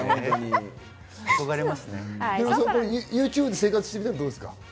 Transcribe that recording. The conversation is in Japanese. ＹｏｕＴｕｂｅで生活してみたらどうですか？